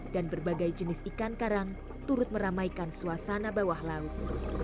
dan berbagai jenis ikan karang turut meramaikan suasana bawah laut